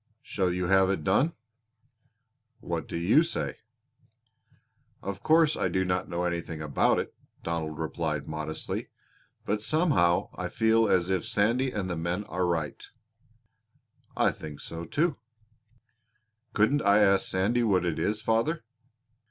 "Shall you have it done?" "What do you say?" "Of course I do not know anything about it," Donald replied modestly, "but somehow I feel as if Sandy and the men are right." "I think so too." "Couldn't I ask Sandy what it is, father?"